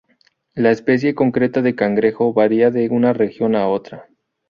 La especie concreta de cangrejo varía de una región a otra.